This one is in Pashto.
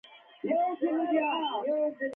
د خپل ملکیت او حریم ساتنه فرض ده.